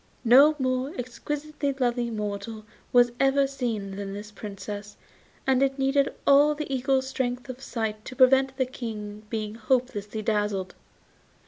No more exquisitely lovely mortal was ever seen than this Princess, and it needed all an eagle's strength of sight to prevent the King being hopelessly dazzled.